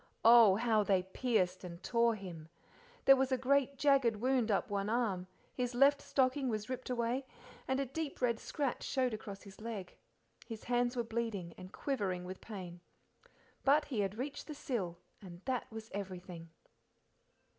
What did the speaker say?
Oh, how they pierced and tore him! There was a great, jagged wound up one arm, his left stocking was ripped away and a deep red scratch showed across his leg, his hands were bleeding and quivering with pain. But he had reached the sill, and that was everything.